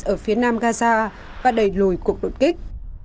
ở phía nam gaza và đẩy lùi cuộc đột kích